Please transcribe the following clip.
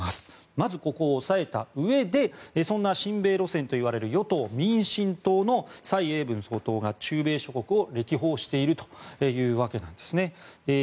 まずここを押さえたうえでそんな親米路線といわれる与党・民進党の蔡英文総統が中米諸国を歴訪しているわけなんですね。